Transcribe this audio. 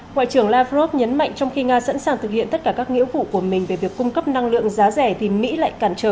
ngoại trưởng lavrov nhấn mạnh trong khi nga sẵn sàng thực hiện tất cả các nghĩa vụ của mình về việc cung cấp năng lượng giá rẻ thì mỹ lại cản trở